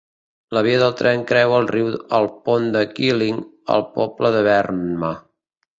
La via del tren creua el riu al pont de Kylling al poble de Verma.